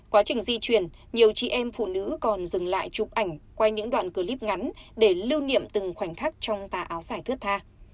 quá trình di chuyển nhiều chị em phụ nữ còn dừng lại chụp ảnh quay những đoạn clip ngắn để lưu niệm từng khoảnh khắc trong tà áo dài thước tha